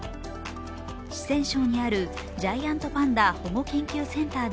四川省にあるジャイアントパンダ保護研究センターで